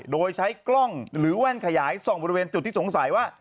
โดยใช้กล้องหรือแว่นขยายส่องบริเวณจุดที่สงสัยว่า